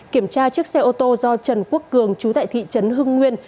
kiểm tra chiếc xe ô tô do trần quốc cường chú tại thị trấn hưng nguyên